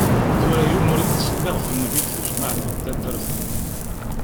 Tura yiwen ur "yettṣelli ɣef Nnbi" deg tejmaɛt n taddart-nneɣ.